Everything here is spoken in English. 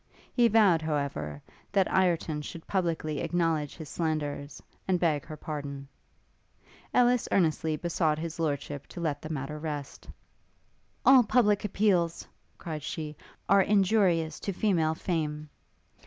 He vowed, however, that Ireton should publicly acknowledge his slanders, and beg her pardon. Ellis earnestly besought his lordship to let the matter rest. 'All public appeals,' cried she, 'are injurious to female fame.